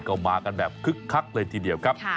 ก็มากันแบบคึกคักเลยทีเดียวครับ